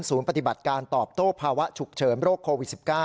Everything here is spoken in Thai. ปฏิบัติการตอบโต้ภาวะฉุกเฉินโรคโควิด๑๙